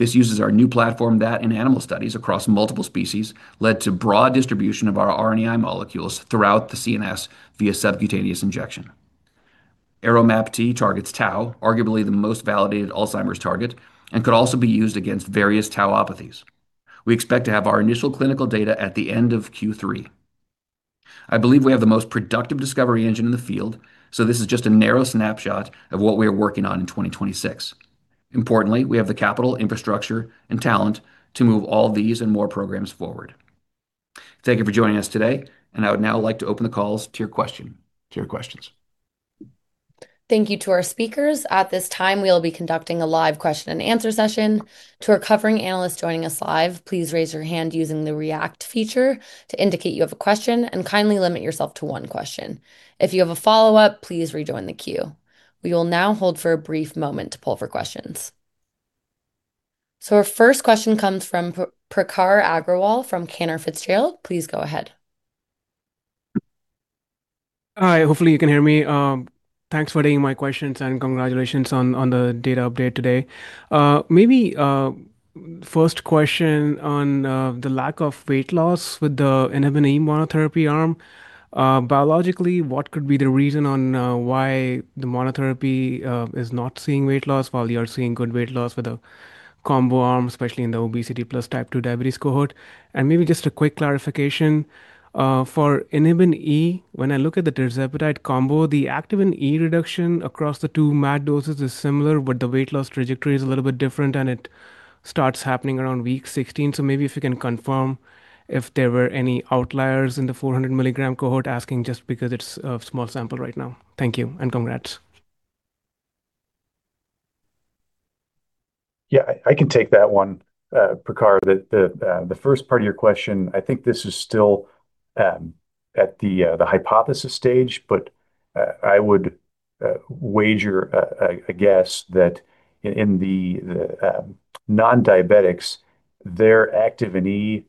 This uses our new platform that in animal studies across multiple species led to broad distribution of our RNAi molecules throughout the CNS via subcutaneous injection. ARO-MAPT targets tau, arguably the most validated Alzheimer's target, and could also be used against various tauopathies. We expect to have our initial clinical data at the end of Q3. I believe we have the most productive discovery engine in the field, so this is just a narrow snapshot of what we are working on in 2026. Importantly, we have the capital, infrastructure, and talent to move all these and more programs forward. Thank you for joining us today, and I would now like to open the call to your questions. Thank you to our speakers. At this time, we will be conducting a live question and answer session. To our covering analysts joining us live, please raise your hand using the React feature to indicate you have a question and kindly limit yourself to one question. If you have a follow-up, please rejoin the queue. We will now hold for a brief moment to pull for questions. So our first question comes from Prakhar Agrawal from Cantor Fitzgerald. Please go ahead. Hi, hopefully you can hear me. Thanks for taking my questions and congratulations on the data update today. Maybe first question on the lack of weight loss with the Inhibin E monotherapy arm. Biologically, what could be the reason on why the monotherapy is not seeing weight loss while you are seeing good weight loss with a combo arm, especially in the obesity plus type two diabetes cohort? And maybe just a quick clarification for Inhibin E, when I look at the tirzepatide combo, the activin E reduction across the two MAD doses is similar, but the weight loss trajectory is a little bit different and it starts happening around week 16. So maybe if you can confirm if there were any outliers in the 400 milligram cohort, asking just because it's a small sample right now. Thank you and congrats. Yeah, I can take that one, Prakhar. The first part of your question, I think this is still at the hypothesis stage, but I would wager a guess that in the non-diabetics, their Activin E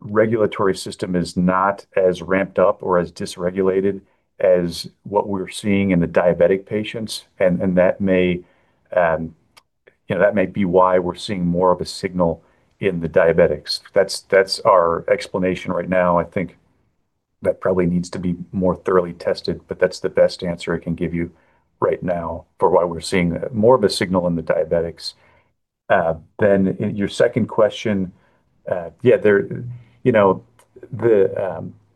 regulatory system is not as ramped up or as dysregulated as what we're seeing in the diabetic patients. And that may, you know, that may be why we're seeing more of a signal in the diabetics. That's our explanation right now. I think that probably needs to be more thoroughly tested, but that's the best answer I can give you right now for why we're seeing more of a signal in the diabetics. Then your second question, yeah, there, you know, the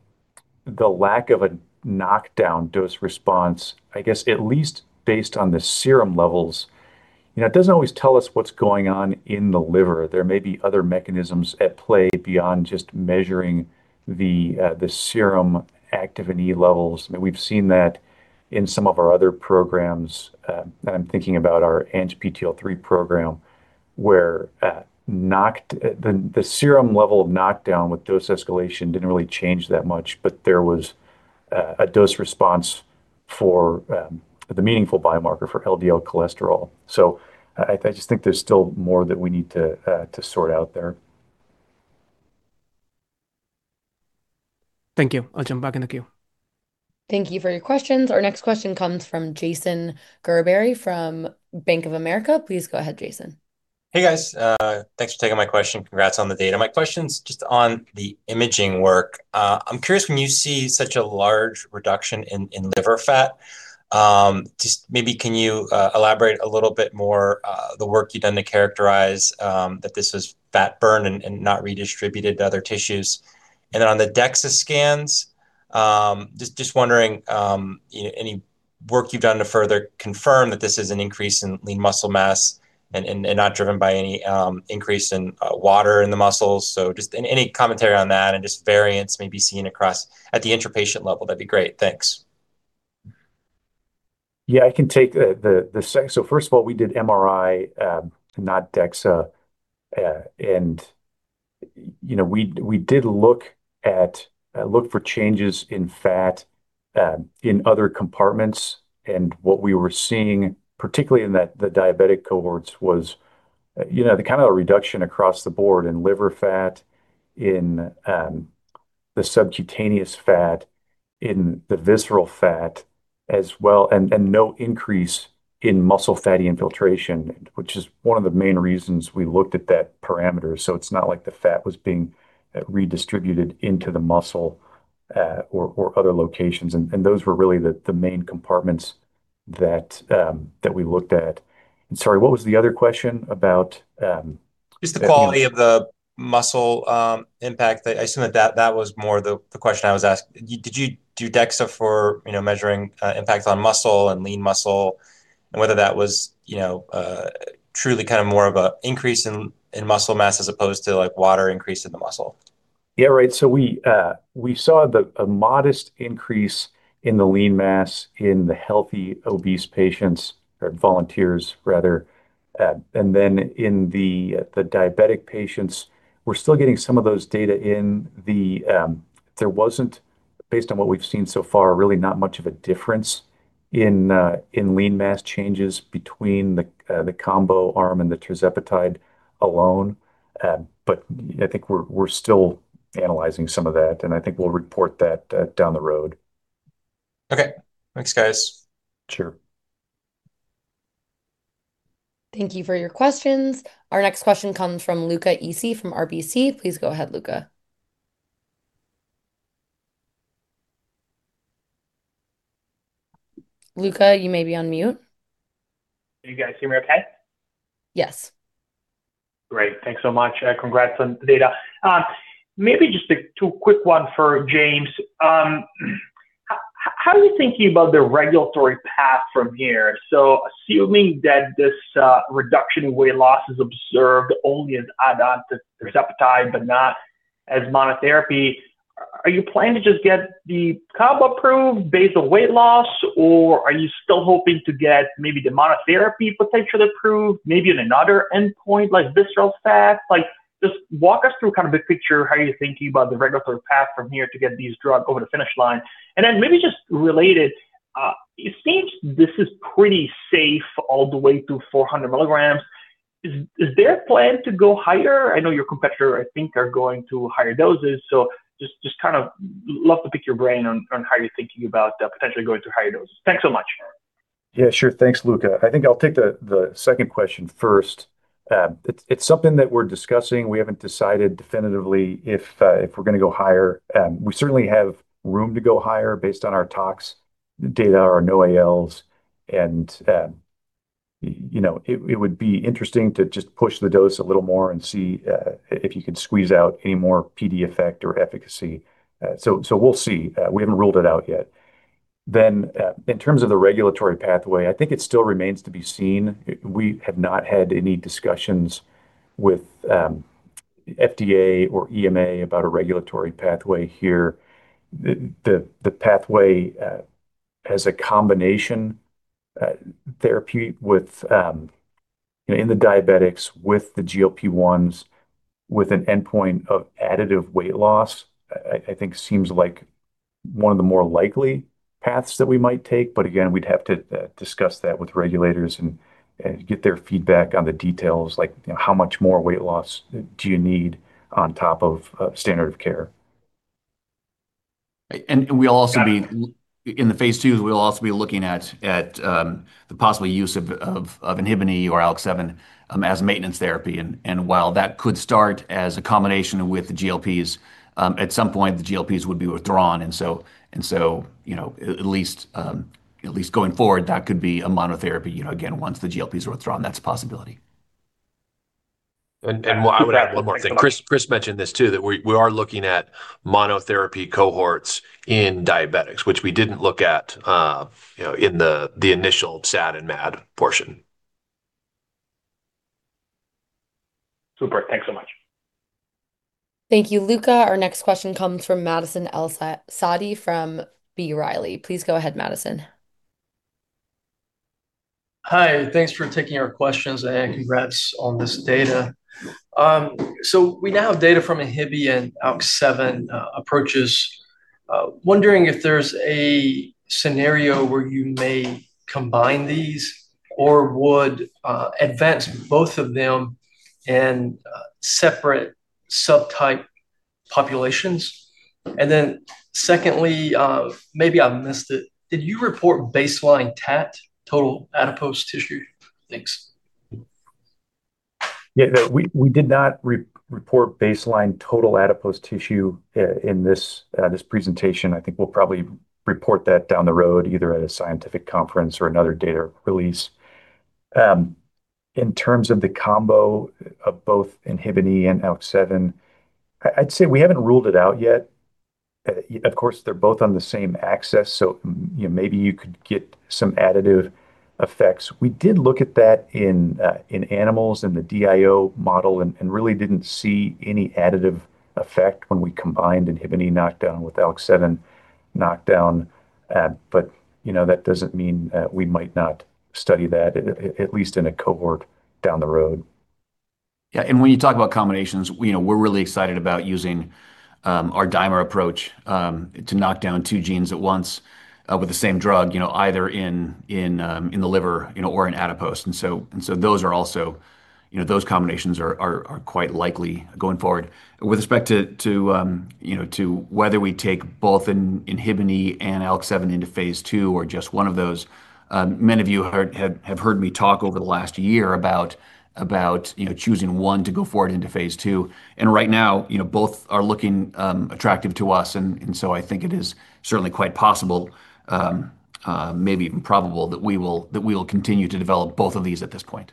lack of a knockdown dose response, I guess at least based on the serum levels, you know, it doesn't always tell us what's going on in the liver. There may be other mechanisms at play beyond just measuring the serum activin E levels. I mean, we've seen that in some of our other programs, and I'm thinking about our ANGPTL3 program where the serum level of knockdown with dose escalation didn't really change that much, but there was a dose response for the meaningful biomarker for LDL cholesterol. So I just think there's still more that we need to sort out there. Thank you. I'll jump back in the queue. Thank you for your questions. Our next question comes from Jason Gerberry from Bank of America. Please go ahead, Jason. Hey guys, thanks for taking my question. Congrats on the data. My question's just on the imaging work. I'm curious when you see such a large reduction in liver fat, just maybe can you elaborate a little bit more the work you've done to characterize that this was fat burned and not redistributed to other tissues? And then on the DEXA scans, just wondering any work you've done to further confirm that this is an increase in lean muscle mass and not driven by any increase in water in the muscles. So just any commentary on that and just variants may be seen across at the interpatient level, that'd be great. Thanks. Yeah, I can take the second. So first of all, we did MRI, not DEXA, and you know, we did look for changes in fat in other compartments. What we were seeing, particularly in the diabetic cohorts, was, you know, the kind of reduction across the board in liver fat, in the subcutaneous fat, in the visceral fat as well, and no increase in muscle fatty infiltration, which is one of the main reasons we looked at that parameter. It's not like the fat was being redistributed into the muscle or other locations. Those were really the main compartments that we looked at. Sorry, what was the other question about? Just the quality of the muscle impact. I assume that that was more the question I was asking. Did you do DEXA for measuring impact on muscle and lean muscle and whether that was, you know, truly kind of more of an increase in muscle mass as opposed to like water increase in the muscle? Yeah, right. So we saw a modest increase in the lean mass in the healthy obese patients or volunteers, rather. And then in the diabetic patients, we're still getting some of those data in the, there wasn't, based on what we've seen so far, really not much of a difference in lean mass changes between the combo arm and the tirzepatide alone. But I think we're still analyzing some of that, and I think we'll report that down the road. Okay. Thanks, guys. Sure. Thank you for your questions. Our next question comes from Luca Issi from RBC. Please go ahead, Luca. Luca, you may be on mute. Hey guys, you hear me okay? Yes. Great. Thanks so much. Congrats on the data. Maybe just a quick one for James. How are you thinking about the regulatory path from here? So assuming that this reduction in weight loss is observed only as add-on to tirzepatide, but not as monotherapy, are you planning to just get the CAB approved based on weight loss, or are you still hoping to get maybe the monotherapy potentially approved, maybe in another endpoint like visceral fat? Like just walk us through kind of the picture, how you're thinking about the regulatory path from here to get these drugs over the finish line. And then maybe just related, it seems this is pretty safe all the way to 400 milligrams. Is there a plan to go higher? I know your competitor, I think, are going to higher doses. So just kind of love to pick your brain on how you're thinking about potentially going to higher doses. Thanks so much. Yeah, sure. Thanks, Luca. I think I'll take the second question first. It's something that we're discussing. We haven't decided definitively if we're going to go higher. We certainly have room to go higher based on our tox data and no AEs. And you know, it would be interesting to just push the dose a little more and see if you could squeeze out any more PD effect or efficacy. So we'll see. We haven't ruled it out yet. Then in terms of the regulatory pathway, I think it still remains to be seen. We have not had any discussions with FDA or EMA about a regulatory pathway here. The pathway as a combination therapy with, you know, in the diabetics with the GLP-1s with an endpoint of additive weight loss, I think seems like one of the more likely paths that we might take. But again, we'd have to discuss that with regulators and get their feedback on the details, like, you know, how much more weight loss do you need on top of standard of care? And we'll also be in the phase II, we'll also be looking at the possible use of Inhibin E or ALK7 as maintenance therapy. And while that could start as a combination with the GLPs, at some point the GLPs would be withdrawn. And so, you know, at least going forward, that could be a monotherapy, you know, again, once the GLPs are withdrawn, that's a possibility. And I would add one more thing. Chris mentioned this too, that we are looking at monotherapy cohorts in diabetics, which we didn't look at, you know, in the initial SAD and MAD portion. Super. Thanks so much. Thank you, Luca. Our next question comes from Madison El-Saadi from B. Riley. Please go ahead, Madison. Hi, thanks for taking our questions and congrats on this data. So we now have data from Inhibin E and ALK7 approaches. Wondering if there's a scenario where you may combine these or would advance both of them and separate subtype populations. And then secondly, maybe I missed it. Did you report baseline total adipose tissue? Thanks. Yeah, we did not report baseline total adipose tissue in this presentation. I think we'll probably report that down the road, either at a scientific conference or another data release. In terms of the combo of both Inhibin E and ALK7, I'd say we haven't ruled it out yet. Of course, they're both on the same axis, so maybe you could get some additive effects. We did look at that in animals in the DIO model and really didn't see any additive effect when we combined Inhibin E knockdown with ALK7 knockdown. But you know, that doesn't mean we might not study that, at least in a cohort down the road. Yeah. And when you talk about combinations, you know, we're really excited about using our DIMER approach to knock down two genes at once with the same drug, you know, either in the liver, you know, or in adipose. And so those are also, you know, those combinations are quite likely going forward. With respect to, you know, to whether we take both Inhibin E and ALK7 into phase II or just one of those, many of you have heard me talk over the last year about, you know, choosing one to go forward into phase II. And right now, you know, both are looking attractive to us. And so I think it is certainly quite possible, maybe even probable that we will continue to develop both of these at this point.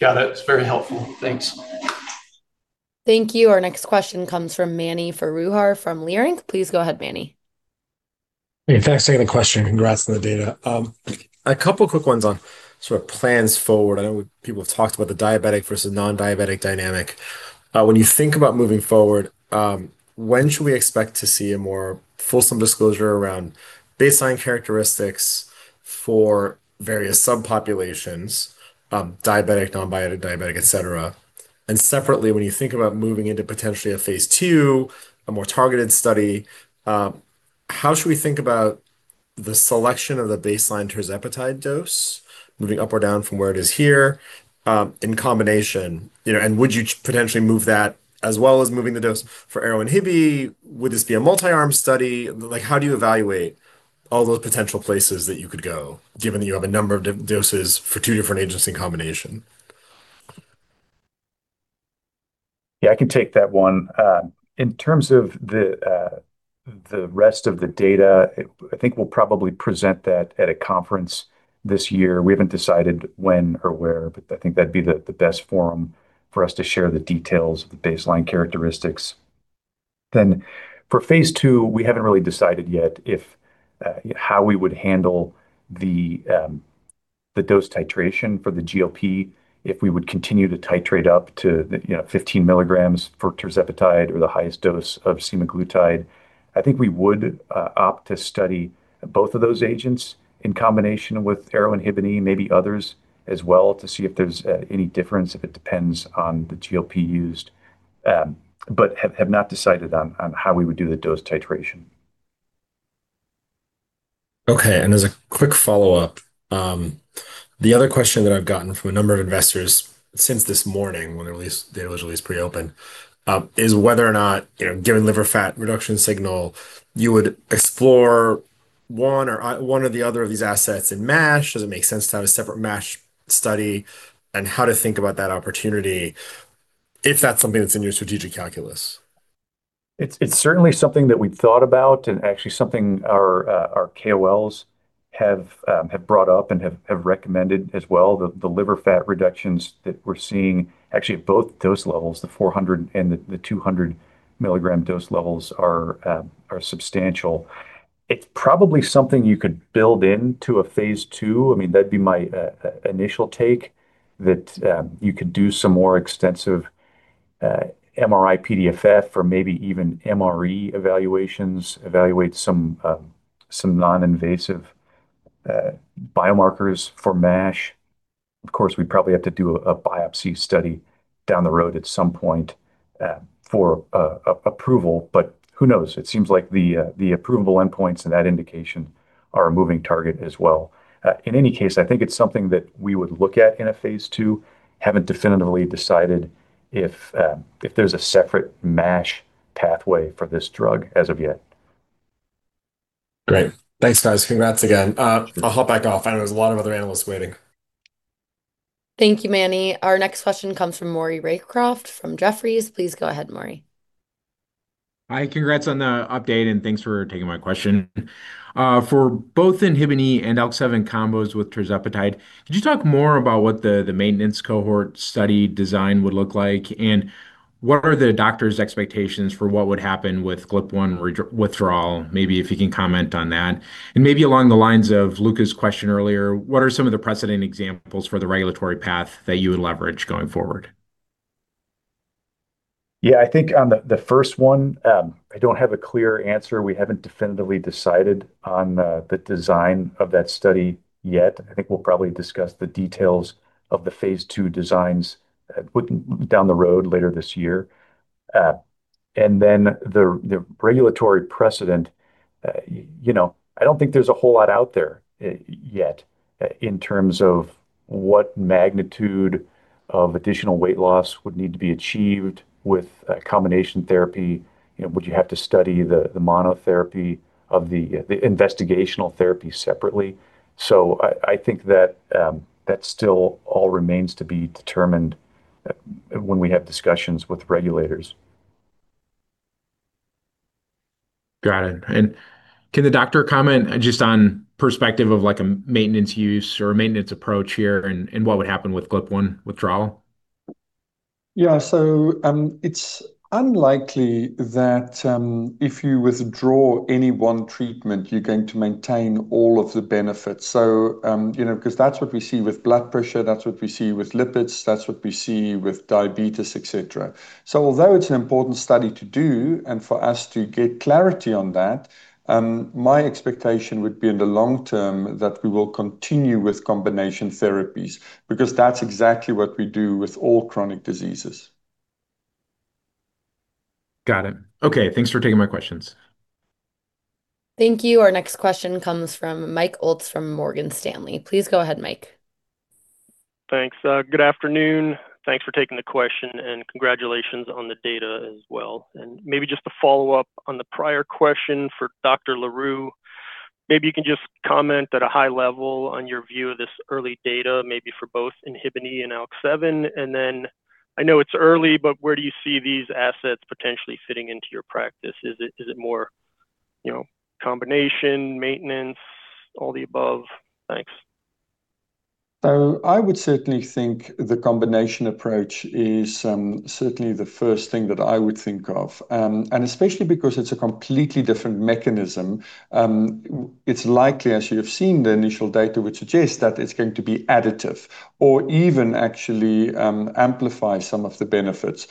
Got it. That's very helpful. Thanks. Thank you. Our next question comes from Mani Foroohar from Leerink. Please go ahead, Mani. Hey, thanks for taking the question. Congrats on the data. A couple of quick ones on sort of plans forward. I know people have talked about the diabetic versus non-diabetic dynamic. When you think about moving forward, when should we expect to see a more fulsome disclosure around baseline characteristics for various subpopulations, diabetic, non-diabetic, et cetera? And separately, when you think about moving into potentially a phase II, a more targeted study, how should we think about the selection of the baseline tirzepatide dose moving up or down from where it is here in combination? You know, and would you potentially move that as well as moving the dose for ARO-INHBE? Would this be a multi-arm study? Like, how do you evaluate all those potential places that you could go, given that you have a number of doses for two different agents in combination? Yeah, I can take that one. In terms of the rest of the data, I think we'll probably present that at a conference this year. We haven't decided when or where, but I think that'd be the best forum for us to share the details of the baseline characteristics. Then for phase II, we haven't really decided yet how we would handle the dose titration for the GLP if we would continue to titrate up to, you know, 15 milligrams for tirzepatide or the highest dose of semaglutide. I think we would opt to study both of those agents in combination with ARO-INHBE and maybe others as well to see if there's any difference, if it depends on the GLP used, but have not decided on how we would do the dose titration. Okay. And as a quick follow-up, the other question that I've gotten from a number of investors since this morning when they were released pre-open is whether or not, you know, given liver fat reduction signal, you would explore one or the other of these assets in MASH. Does it make sense to have a separate MASH study and how to think about that opportunity if that's something that's in your strategic calculus? It's certainly something that we've thought about and actually something our KOLs have brought up and have recommended as well. The liver fat reductions that we're seeing actually at both dose levels, the 400 and the 200 milligram dose levels are substantial. It's probably something you could build into a phase II. I mean, that'd be my initial take that you could do some more extensive MRI-PDFF or maybe even MRE evaluations, evaluate some non-invasive biomarkers for MASH. Of course, we probably have to do a biopsy study down the road at some point for approval, but who knows? It seems like the approval endpoints and that indication are a moving target as well. In any case, I think it's something that we would look at in a phase II. Haven't definitively decided if there's a separate MASH pathway for this drug as of yet. Great. Thanks, guys. Congrats again. I'll hop back off. I know there's a lot of other analysts waiting. Thank you, Mani. Our next question comes from Maury Raycroft from Jefferies. Please go ahead, Maury. Hi, congrats on the update and thanks for taking my question. For both Inhibin E and ALK7 combos with tirzepatide, could you talk more about what the maintenance cohort study design would look like and what are the doctor's expectations for what would happen with GLP-1 withdrawal? Maybe if you can comment on that. And maybe along the lines of Luca's question earlier, what are some of the precedent examples for the regulatory path that you would leverage going forward? Yeah, I think on the first one, I don't have a clear answer. We haven't definitively decided on the design of that study yet. I think we'll probably discuss the details of the phase II designs down the road later this year. And then the regulatory precedent, you know, I don't think there's a whole lot out there yet in terms of what magnitude of additional weight loss would need to be achieved with combination therapy. You know, would you have to study the monotherapy of the investigational therapy separately? So I think that that still all remains to be determined when we have discussions with regulators. Got it. And can the doctor comment just on perspective of like a maintenance use or a maintenance approach here and what would happen with GLP-1 withdrawal? Yeah, so it's unlikely that if you withdraw any one treatment, you're going to maintain all of the benefits. So, you know, because that's what we see with blood pressure, that's what we see with lipids, that's what we see with diabetes, et cetera. So although it's an important study to do and for us to get clarity on that, my expectation would be in the long term that we will continue with combination therapies because that's exactly what we do with all chronic diseases. Got it. Okay. Thanks for taking my questions. Thank you. Our next question comes from Mike Ulz from Morgan Stanley. Please go ahead, Mike. Thanks. Good afternoon. Thanks for taking the question and congratulations on the data as well. And maybe just to follow up on the prior question for Dr. le Roux, maybe you can just comment at a high level on your view of this early data, maybe for both Inhibin E and ALK7. And then I know it's early, but where do you see these assets potentially fitting into your practice? Is it more, you know, combination, maintenance, all the above? Thanks. So I would certainly think the combination approach is certainly the first thing that I would think of. And especially because it's a completely different mechanism, it's likely, as you've seen the initial data, would suggest that it's going to be additive or even actually amplify some of the benefits.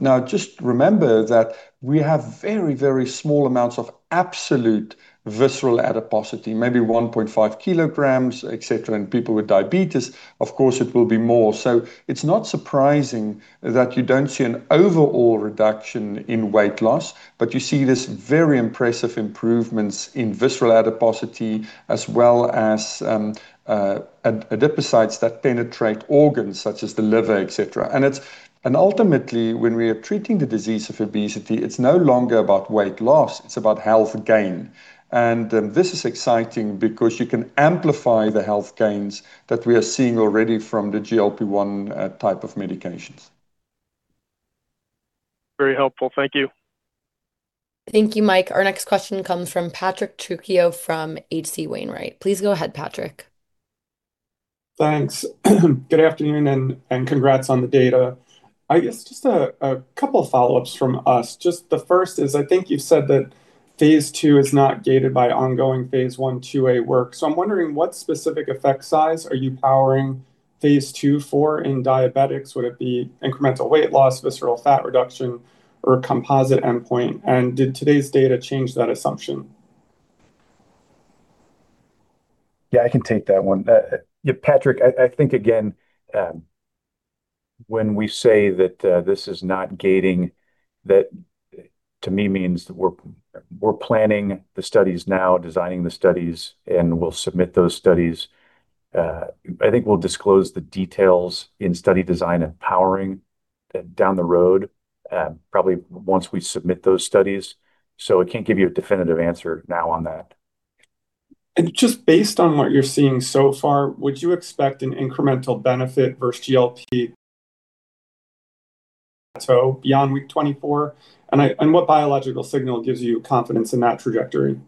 Now, just remember that we have very, very small amounts of absolute visceral adiposity, maybe 1.5 kilograms, et cetera. And people with diabetes, of course, it will be more. So it's not surprising that you don't see an overall reduction in weight loss, but you see this very impressive improvements in visceral adiposity as well as adipocytes that penetrate organs such as the liver, et cetera. And it's, and ultimately, when we are treating the disease of obesity, it's no longer about weight loss, it's about health gain. And this is exciting because you can amplify the health gains that we are seeing already from the GLP-1 type of medications. Very helpful. Thank you. Thank you, Mike. Our next question comes from Patrick Trucchio from H.C. Wainwright. Please go ahead, Patrick. Thanks. Good afternoon and congrats on the data. I guess just a couple of follow-ups from us. Just the first is I think you've said that phase II is not gated by ongoing phase I/IIa work. So I'm wondering what specific effect size are you powering phase II for in diabetics? Would it be incremental weight loss, visceral fat reduction, or a composite endpoint? And did today's data change that assumption? Yeah, I can take that one. Yeah, Patrick, I think again, when we say that this is not gating, that to me means that we're planning the studies now, designing the studies, and we'll submit those studies. I think we'll disclose the details in study design and powering down the road, probably once we submit those studies. So I can't give you a definitive answer now on that. Just based on what you're seeing so far, would you expect an incremental benefit versus GLP beyond week 24? And what biological signal gives you confidence in that trajectory?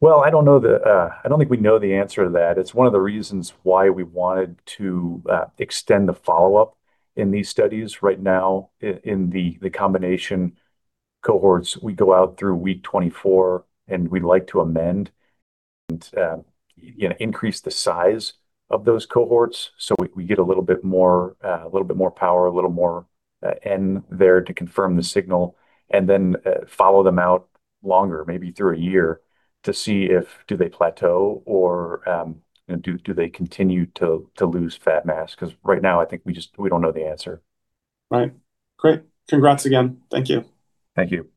Well, I don't know the, I don't think we know the answer to that. It's one of the reasons why we wanted to extend the follow-up in these studies. Right now, in the combination cohorts, we go out through week 24 and we'd like to amend and, you know, increase the size of those cohorts so we get a little bit more, a little bit more power, a little more N there to confirm the signal, and then follow them out longer, maybe through a year to see if do they plateau or do they continue to lose fat mass? Because right now I think we just, we don't know the answer. Right. Great. Congrats again. Thank you. Thank you.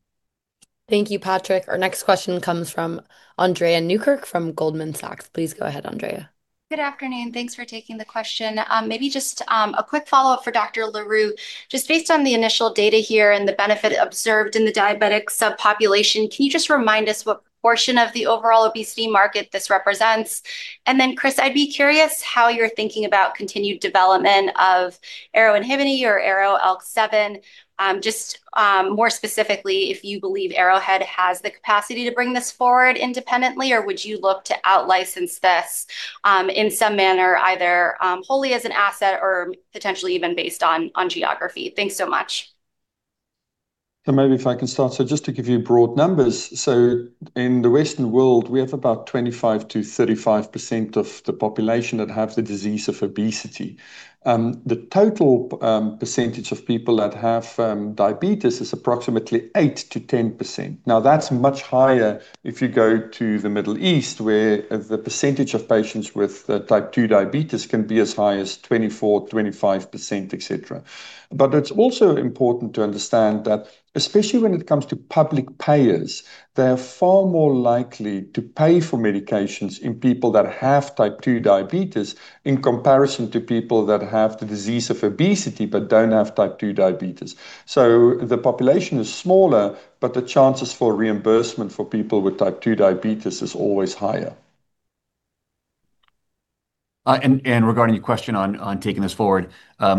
Thank you, Patrick. Our next question comes from Andrea Newkirk from Goldman Sachs. Please go ahead, Andrea. Good afternoon. Thanks for taking the question. Maybe just a quick follow-up for Dr. Carel le Roux. Just based on the initial data here and the benefit observed in the diabetic subpopulation, can you just remind us what portion of the overall obesity market this represents? And then, Chris, I'd be curious how you're thinking about continued development of ARO-INHBE or ARO-ALK7. Just more specifically, if you believe Arrowhead has the capacity to bring this forward independently, or would you look to out-license this in some manner, either wholly as an asset or potentially even based on geography? Thanks so much. So maybe if I can start. So just to give you broad numbers, so in the Western world, we have about 25%-35% of the population that have the disease of obesity. The total percentage of people that have diabetes is approximately 8%-10%. Now, that's much higher if you go to the Middle East, where the percentage of patients with type 2 diabetes can be as high as 24%-25%, et cetera. But it's also important to understand that especially when it comes to public payers, they are far more likely to pay for medications in people that have type 2 diabetes in comparison to people that have the disease of obesity but don't have type 2 diabetes. So the population is smaller, but the chances for reimbursement for people with type 2 diabetes is always higher. And regarding your question on taking this forward,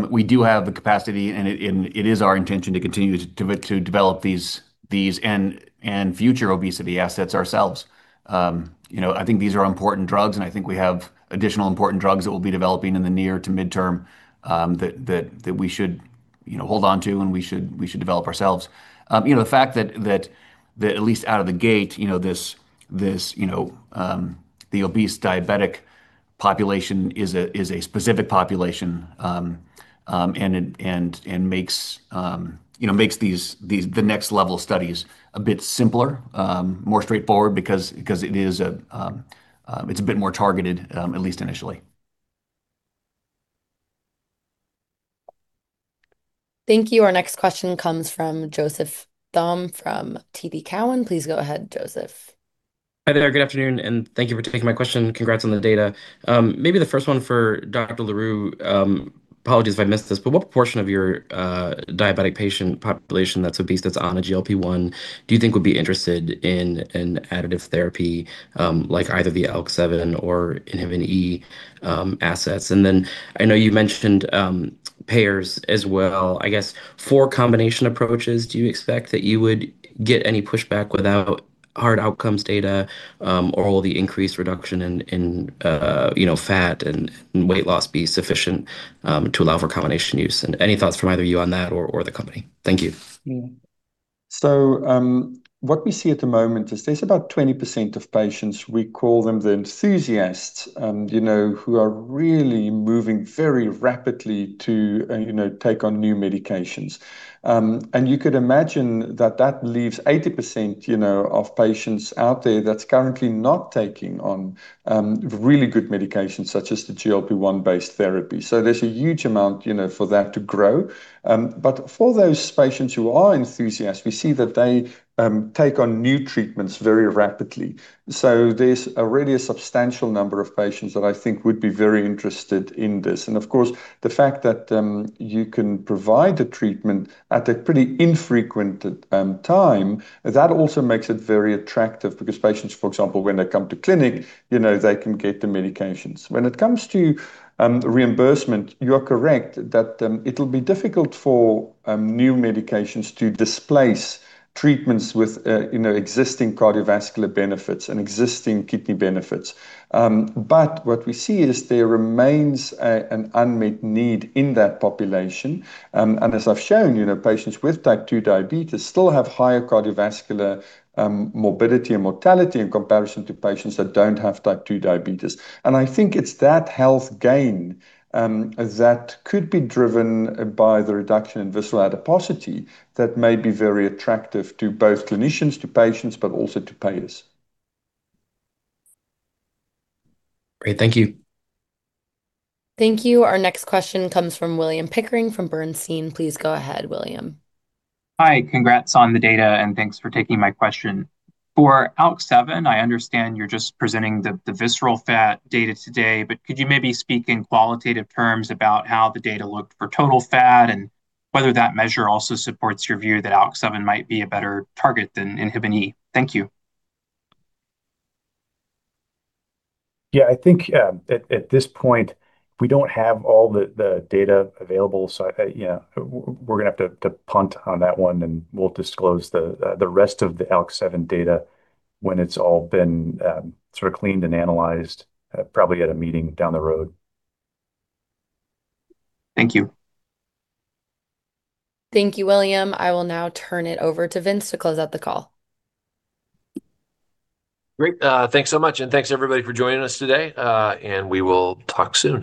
we do have the capacity and it is our intention to continue to develop these and future obesity assets ourselves. You know, I think these are important drugs and I think we have additional important drugs that we'll be developing in the near to midterm that we should, you know, hold on to and we should develop ourselves. You know, the fact that at least out of the gate, you know, this, you know, the obese diabetic population is a specific population and makes, you know, makes these, the next level studies a bit simpler, more straightforward because it is a, it's a bit more targeted, at least initially. Thank you. Our next question comes from Joseph Thome from TD Cowen. Please go ahead, Joseph. Hi there. Good afternoon and thank you for taking my question. Congrats on the data. Maybe the first one for Dr. le Roux, apologies if I missed this, but what portion of your diabetic patient population that's obese that's on a GLP-1 do you think would be interested in an additive therapy like either the ALK-7 or Inhibin E assets? And then I know you mentioned payers as well. I guess for combination approaches, do you expect that you would get any pushback without hard outcomes data or will the increased reduction in, you know, fat and weight loss be sufficient to allow for combination use? And any thoughts from either you on that or the company? Thank you. So what we see at the moment is there's about 20% of patients, we call them the enthusiasts, you know, who are really moving very rapidly to, you know, take on new medications. And you could imagine that that leaves 80%, you know, of patients out there that's currently not taking on really good medications such as the GLP-1 based therapy. So there's a huge amount, you know, for that to grow. But for those patients who are enthusiasts, we see that they take on new treatments very rapidly. So there's already a substantial number of patients that I think would be very interested in this. And of course, the fact that you can provide the treatment at a pretty infrequent time, that also makes it very attractive because patients, for example, when they come to clinic, you know, they can get the medications. When it comes to reimbursement, you are correct that it'll be difficult for new medications to displace treatments with, you know, existing cardiovascular benefits and existing kidney benefits. But what we see is there remains an unmet need in that population. And as I've shown, you know, patients with type 2 diabetes still have higher cardiovascular morbidity and mortality in comparison to patients that don't have type 2 diabetes. And I think it's that health gain that could be driven by the reduction in visceral adiposity that may be very attractive to both clinicians, to patients, but also to payers. Great. Thank you. Thank you. Our next question comes from William Pickering from Bernstein. Please go ahead, William. Hi, congrats on the data and thanks for taking my question. For ALK-7, I understand you're just presenting the visceral fat data today, but could you maybe speak in qualitative terms about how the data looked for total fat and whether that measure also supports your view that ALK-7 might be a better target than Inhibin E? Thank you. Yeah, I think at this point, we don't have all the data available. So, you know, we're going to have to punt on that one and we'll disclose the rest of the ALK-7 data when it's all been sort of cleaned and analyzed probably at a meeting down the road. Thank you. Thank you, William. I will now turn it over to Vince to close out the call. Great. Thanks so much and thanks everybody for joining us today. We will talk soon.